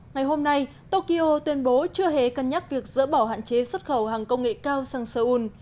ngày hôm nay tokyo tuyên bố chưa hề cân nhắc việc dỡ bỏ hạn chế xuất khẩu hàng công nghệ cao sang seoul